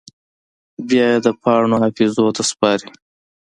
بیا یې د پاڼو حافظو ته سپاري